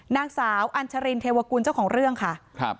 นางสาวอัญชรินเทวกุลเจ้าของเรื่องค่ะครับ